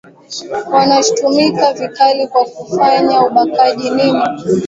wanashutumiwa vikali kwa kufanya ubakaji nini